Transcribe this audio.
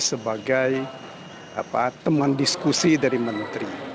sebagai teman diskusi dari menteri